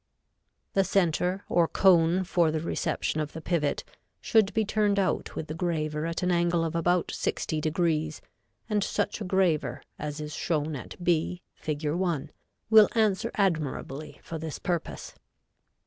The center, or cone for the reception of the pivot, should be turned out with the graver at an angle of about 60° and such a graver as is shown at B, Fig. 1, will answer admirably for this purpose.